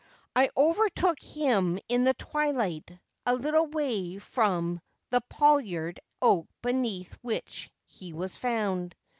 ' I overtook him in the twilight, a little way from the pollard oak beneath which he was found.